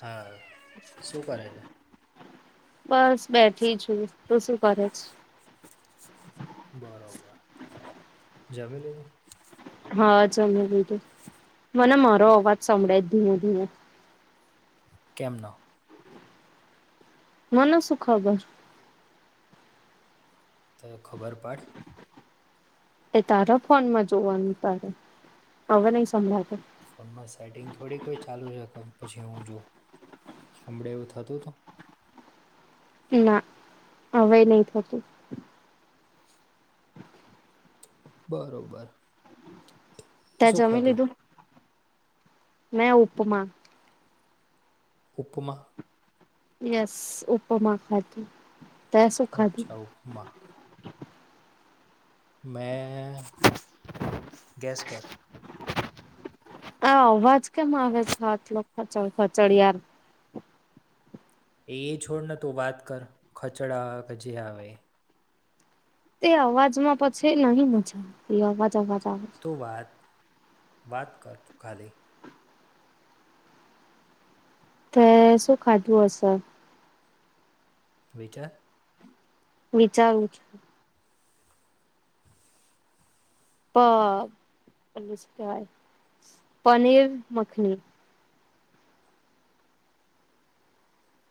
હા શું કરે છે? બસ બેઠી છું તુ શું કરે છે? બરોબર જમી લીધું? હા જમી લીધું મને મારો અવાજ સંભળાય ધીમો ધીમો કેમન મને સું ખબર. તો ખબર પાડ. એ તારા ફોનમાં જોવાનું તારે હવે નહી સંભળાતુ. ફોનમાં સેટિંગ થોડી કોઈ ચાલુ હોય કમ પછી હું જોઉ હમડે એવું થતું તું? ના હવે નહી થતું બરોબર તે શું જમી ખાધું લીધું? મે ઉપમા ઉપમા. યસ ઉપમા ખાતે. અચ્છા ઉપમા. મેં ગેસ કર? આ અવાજ કેમ આવે છે આટલો ખચડ ખચડ યાર? એ એ છોડને તો વાત કર ખચડા આવે કે જે આવે એ. તે અવાજમાં પછી નહીં મજા આવે એ અવાજ અવાજ આવે. છે. તું વાત વાત કર તું ખાલી? તે શું ખાધું હશે? વીટાર વિચારું છું. પ પનીર મખની.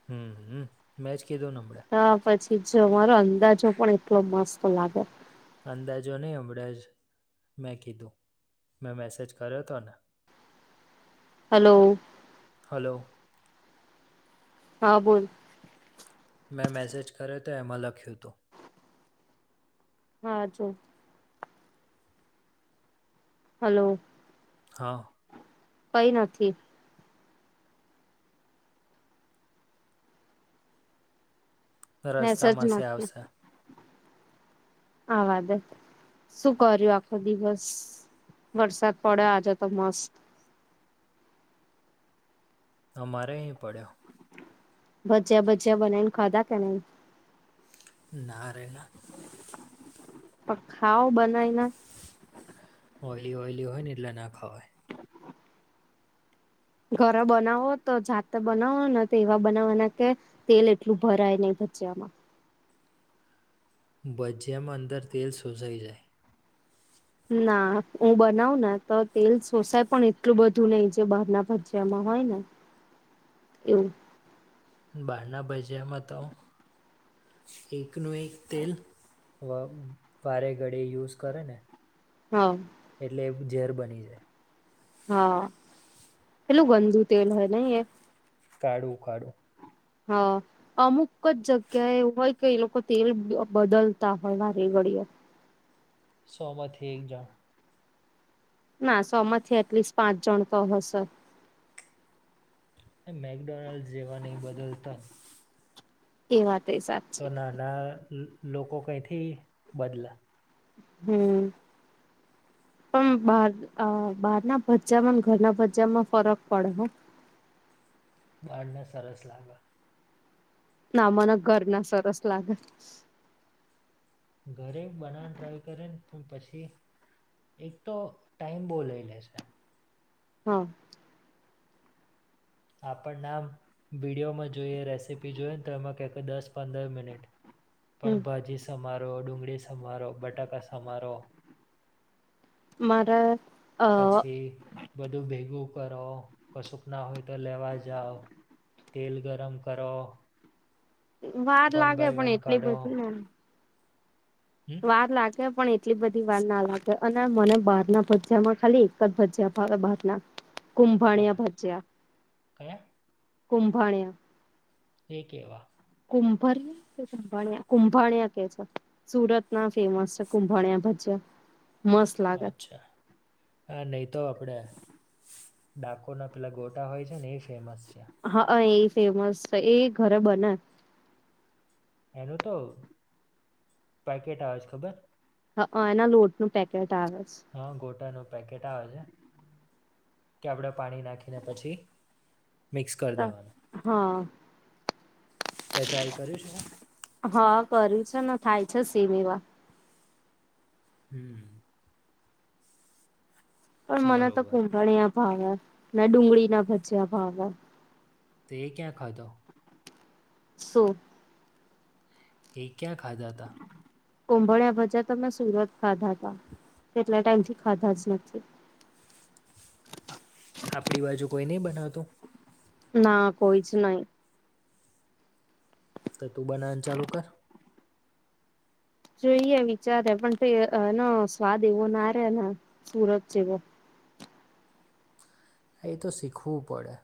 હમ્મ મેજ કીધું ને હમણે. હા પછી જો અંદાજો પણ એટલો મસ્ત લાગે. અંદાજો નહીં હમળં જ મેં કીધું મેં મેસેજ કર્યો હતો ને. હલો. હલો. હા બોલ. મેં મ મેસેજ કર તો એમાં લખ્યું હતું. હા જો. હલો. હા. કઈ નથી. મેસેજ રસ્તામાંસે નથી આવશે. આવવા દે. શું કર્યું આખો દિવસ વરસાદ પડ્યો આજે તો મસ્ત? અ મારે અહીં પડ્યો. ભચ્યા ભચ્યા બનાવી ને ખાધા કે નઈ. ના રે ના. પ ખાઓ બનાય ને. ઓયલી ઓયલી હોય ને એટલે ના ખાવાય. ઘર બનાવો તો જાતે બનાવો ને તો એવા બનાવવાના કે તેલ એટલું ભરાય નહી બચામાં ભજિયામાં અંદર તેલ શોસાઈ જાય. ના હું બનાવને તો તેલ સોસાય પણ એટલું બધું નહીિ જે બહાર ના ભાજિયામાં હોય ને. [inaudible] એવું. બારના ભાજિયામાં તો એકનું એક તેલ. વ વાારે ઘળી યુઝ કરે ને. હા. એટલે ઝેર બની જાય. હા એટલું ગંદુ તેલ હ નઈ એ. કાઢું કાઢું. હા. અમુક જ જગ્યા એવું હોય કે એ લોકો તેલ બદલતા હોય વારે ઘડય સો માંથી હ એક એક જાણ ના સો માંથી એટલીસ્ટ પાંચ જણ તો હશે. મેકડોનાલ્ડ જેવા નહી બદલતા. એ વાત એ સાચી. ના લોકો કઈ થી બદલા હમ પણ બાર બાર ના ભ્જામાં ઘરના ભ્જામાં ફરક પડે. બારને સરસ લાગ ના મને ઘર ના સરસ લાગ. ઘરે બનાવવાને ટ્રાય કરેને પણ પછી એક તો ટાઈમ બોવ લઈ લેશે હા આપણ નામ વિડિયોમાં જોઈએ રેસીપી જોઈએ ને તો એમાં કહેક દસ પંદર મિનિટ હમ પણ ભાજી સમારો ડુંગળી સમારો બટાકા સમારો મારા અ પછી બધું ભેગું કરો કશુંક ના હોય તો લેવા જાવ તેલ ગરમ કરો. વાર વન લાગે બાય પણ વન એટલી કાઢો બધી હમ વાર લાગે પણ એટલી બધી વાર ના લાગે અને મને બહારના ભજા માં ખાલી એક જ ભજયા ભાવે બહાર ના. [inaudible] કુંભાણ્યા કયા ભજ્યા કયા કુંભાણ્યા એ કેવા? કુંભરિયા કે કુંભાળિયા કુંભાારિયા કે છે. સુરત ના ફેમસ છે કુંભાણ્યા ભજ્યા. અચ્છા હ નહી તો આપડે ડાકોર ના પેલા ગોટા હોય છે ને એ ફેમસ છે. હ અ ઈ એ ફેમસ એ ઘરે બને. એનું તો પેકેટ આવે છે ખબર? હ અ એના લોટનું પેકેટ આવે છે. હ ગોટા ન પેકેટ આવે છે. કે આપડે પાણી નાખીને પછી મિક્સ કરી છે દેવાનું હા એ ટ્રાય કર્યુ છે? હા કર્યું છે ને થાય છે સેમ એવા હમ પણ મને તો બરોબર કુંભનીયા ભાવે ના ડુંગળી ના ભજિયા ભાવે - તે એ ક્યાં ખાધા? શું? એ કયાં ખાધા તા? કુંભળિયા ભજિયા તો અમે સુરતમાં ખાધા તા કેટલા ટાઈમ થી ખાધા જ નથી. આપણી બાજુ કોઈ નહી બનાવતું? ના કોઈ જ નહી. તો તું બનાવાનું ચાલુ કર. જોઈએ વિચારે પણ તે એનો સ્વાદ એવો ના રે ને સુરત જેવો એ તો શીખવું પડે.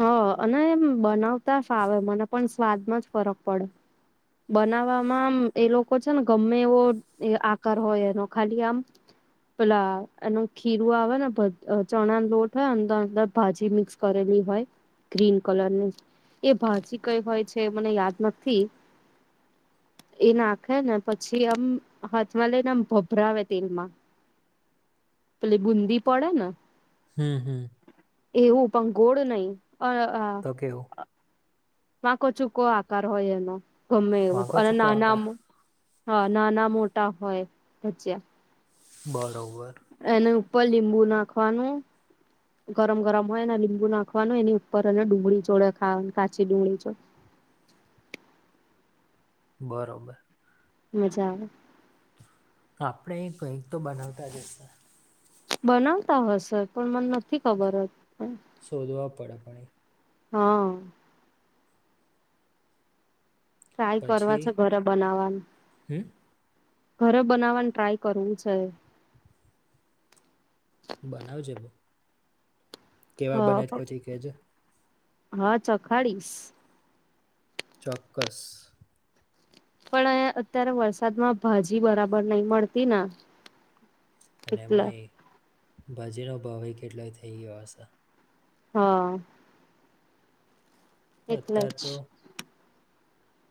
હ અને એમ બનાવતા ફાવે મને પણ સ્વાદમાં જ ફરક પડે. બનાવવામાં આમ એ લોકો છે ને ગમે એવો આકાર હોય એનો ખાલી આમ પેલા એનું ખીરું આવે ને ચણા લોટ હોય અંદર અંદર ભાજી મિક્સ કરેલી હોય ગ્રીન કલરની એ ભાજી કઈ હોય છે મને યાદ નથી એ નાખે ને પછી આમ હાથમાં લઈને આમ ભભરાવે તેલમાં [inaudible] પેલી બુંદી પડે ને હમ હમ એવું પણ ગોળ નહી અ અ કેવો? વાંકો ચૂકો આકાર હોય એનો ગમે એવો વાંકો અને ચૂકો નાના આકાર આમ હા નાના મોટા હોય ભજિયા. બરોબર. એની ઉપર લીંબુ નાખવાનું. ગરમ ગરમ હોય ને, લીંબુ નાખવાનું, એની ઉપર અને ડુંગળી જોડે ખાવાનું કાચી ડુંગળી જોડે. બરોબર. મજા આવે. આપણે એ કંઈક તો બનાવતા જ હશે. બનાવતા હશે પણ મન નથી ખબર [inaudible] શોધવા પડે પણ હા ટ્રાય એ કરવા પછી છે ઘરે બનાવાની. હમ ઘરે બનાવાની ટ્રાય કરવું છે. બનાવજે [inaudible] કેવા બને હ છે પછી કેજે. હા ચખાડીશ. ચોક્કસ. પણ અત્યારે વરસાદમાં ભાજી બરાબર નહી મળતી ને. અને એટલે એમાંય ભાજીનો ભાવ એ કેટલોય થઇ ગયો હશે. હહ એટલે અતાર જ તો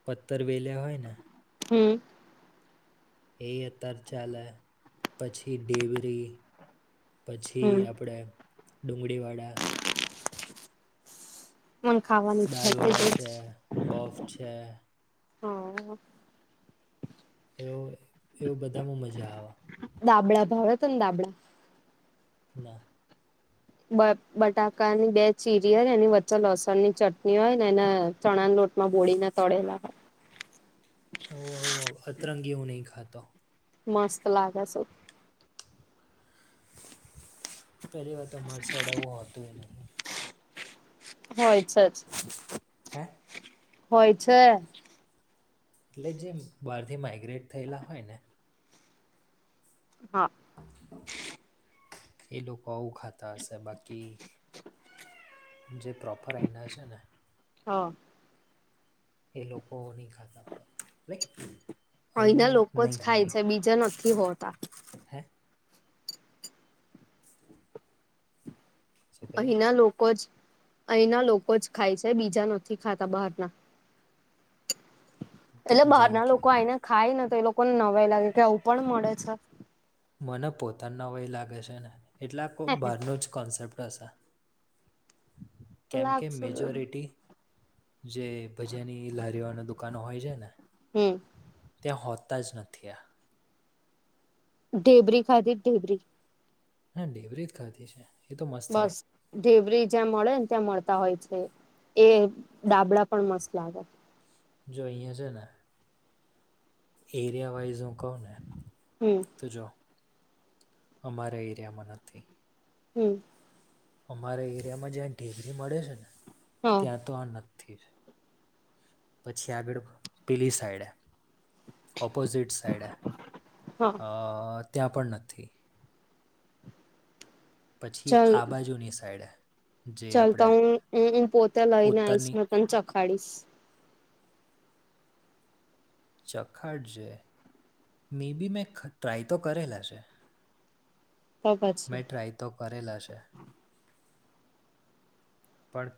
પતર વેલ્યા હોય ને હમ એ અતાર ચાલે, પછી ડેવરી પછી હમ આપણેે ડુંગળીવાળા એમ ખાવાની ઈચ્છા થઈ દાલવડા ગઈ છે, બફ છે. હા એવ એવું બધામાં મજા આવ. દાબડા ભાવે તન દાબડા? ના બ બટાકાની બે ચીરી હોય ને એની વચ્ચે લસણની ચટણી હોય ને એન ચણાના લોટમાં બોળીને તળેલા હોય. હોવ હોવ હોવ અતરંગી હું નહીં ખાતો. મસ્ત લાગે શું. પહેલી વાત અમારી સાઈડ આવું હોતું એ નહીં. હોય છે જ. હે? હોય છે. એટલે જેમ બહારથી માઇગ્રેટ થયેલા હોય ને હા એ લોકો આવું ખાતા હશે બાકી જે પ્રોપર અહીંના છે ને હહ એ લોકો ની ખાતા હોય. લાઈક અહીંના અહીંનું ન- લોકો જ નહીં ખાય હોય છે બીજા નથી હોતા. હે શું કહે છે અહીંના લોકો જ અહીંના લોકો જ ખાય છે બીજા નથી ખાતા બહારના એટલે બહાર જેમ ના કે લોકો આઈને ખાય ને તો એ લોકોને નવાય લાગે કે આવું પણ મળે છે મને પોતાના હોય લાગે છે ને એટલે કો બહારનું જ કોન્સેપ્ટ હશે કેમ કે લાગશે મેજોરિટી જે ભજીયાની લારીઓ અને દુકાનો હોય છે ને, હમ ત્યાં હોતા જ નથી આ. ઢેબરી ખાધી જ ઢેબરી? હા ઢેબરી જ ખાધી છે. એ તો મસ્ત હોય બસ? ઢેવરી જ્યાં મળે ને ત્યાં મળતા હોય છે એ ડાબડા પણ મસ્ત લાગે જો અહિયાં છે ને એરિયા વાઈઝ હું કઉ ને હમ તો જો અમારા એરિયામાં નથી હમ અમારા એરિયામાં જ્યાં ેગરી મળે છે ને હા ત્યાં તો આ ન પછી આગળ પેલી સાઈડ ઓપોઝિટ સાઈડ હા અ ત્યાં પણ નથી પછી આ બાજુની સાઈડે જે ચાલતા આપણે હું હ હું પોતે લઈને આઈશ ઉત્તરની તને ચખાડીશ ચખાડજ મે બી મેં ટ્રાય તો કરેલા છે તો પછી મેં ટ્રાય તો કરેલા છે પણ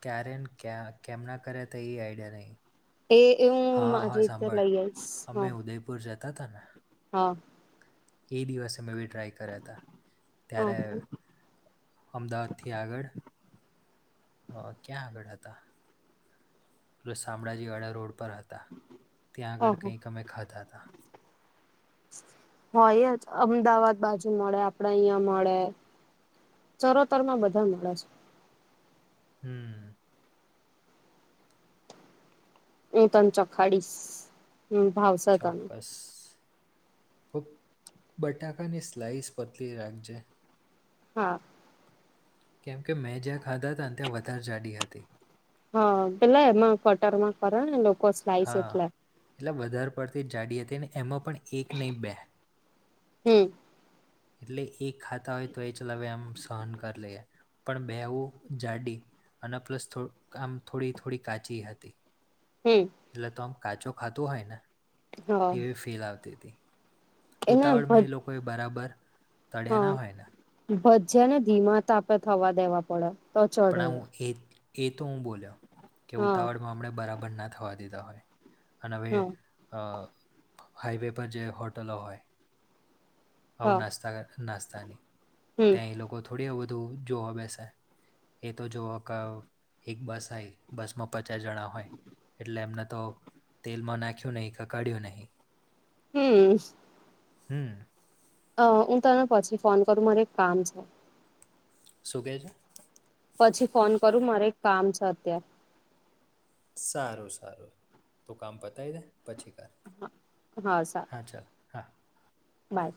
ક્યારે કેમના કર્યા તો એ આઈડિયા નહીં એ હું મારી રીતે લઈ આવીઈશ હ ભર જ ત અને હા એ દિવસે મેં એ ટ્રાય કર્યા હતા ત્યારે અમદાવાદથી આગળ હ ક્યાં આ બેળા હતા પહેલા શામળાજી વાળા રોડ પર હતા ત્યાં હ આગળ હ કંઈક અમે ખાતા હતા. હોય જ અમદાવાદ બાજુ મળે આપડા અહિયાં મળે ચરોતર માં બધા મળે છે હમ હું તને ચોખાડીશ હમ ભાવસ તને તો બટાકાની સ્લાઇસ પતલી રાખજે હા કેમ કે મેં જ્યાં ખાધા હતાને ત્યાં વધારે જાડી હતી હ પેલા એમાં કટર માં કર લોકો સ્લાઈસ હા એટલે એટલે વધારે પડતી જાડી હતી ને એમાં પણ એક નહી બે હમ એટલે એક ખાતા હોય તો એ ચલાવે આમ સહન કરી લઈએ પણ બેવું જાડી અને પ્લસ થો આમ થોડી થોડી કાચી હતી હમ એટલે તો આમ કાચો ખાતું હોય ને હા એવી ફીલ આવતી હતી એને ઉતાવળમાં ભજ એ લોકોએ બરાબર તળ્યા ના હોય ને હા ભજ્યા ને ધીમા તપે થવા દેવા પડે તો ચઢે પણું એ એ તો હું બોલ્યો કે હા ઉતાવળમાં હમણે બરાબર ના થવા દીધા હોય અને હવે હા હાઈવે પર જે હોટલો હોય હા આવું નાસ્તા મા નાસ્તાની હમ ત્યાં એ લોકો થોડી વધધું જોવા બેસે એ તો જો એક બસ આય બસ માં પચાસ જણા હોય એટલે એમને તો તેલમાં નાખ્યું નહીં કે કાઢ્યું નહી હમ હમ અ હું તને પછી ફોન કરું મારે એક કામ છે. શું કેહે છે? પછી ફોન કરું મારે એક કામ છે અત્યારે સારું સારું તું કામ પતાવી દે પછી કર હા સારુ. અચ્છા હા. બાય.